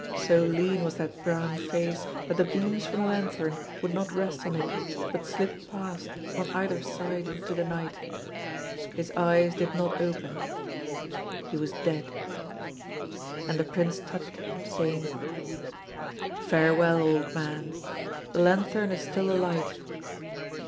So lean was that brown face that the beams from the lanthorn would not rest on it, but slipped past on either side into the night. His eyes did not open. He was dead. And the Prince touched him, saying: "Farewell, old man! The lanthorn is still alight.